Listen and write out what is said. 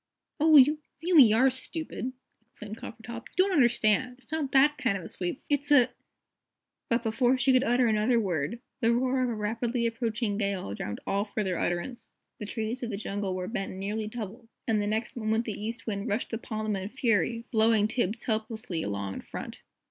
"Oh, you really are stupid," exclaimed Coppertop. "You don't understand. It's not that kind of a sweep. It's a " But before she could utter another word the roar of a rapidly approaching gale drowned all further utterance. The trees of the jungle were bent nearly double, and the next moment the East Wind rushed upon them in a fury, blowing Tibbs helplessly along in front.